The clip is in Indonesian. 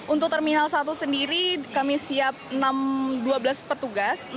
untuk terminal satu sendiri kami siap dua belas petugas